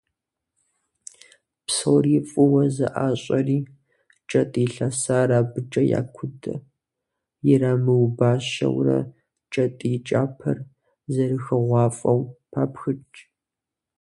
Псори фӀыуэ зэӀащӀэри, кӀэтӀий лъэсар абыкӀэ якудэ, ирамыубащэурэ, кӀэтӀий кӀапэр зэрыхыгъуафӀэу папхыкӀ.